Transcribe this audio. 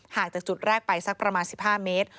จากจุดแรกไปสักประมาณ๑๕เมตร